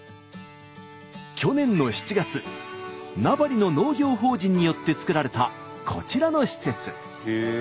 去年の７月名張の農業法人によって作られたこちらの施設。